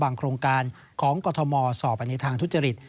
บางโครงการของกฎธมสอบไปนายทางทุจริต